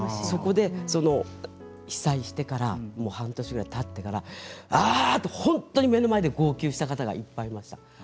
そこで被災してから半年ぐらいたってから本当に目の前で号泣した方がいっぱいいました。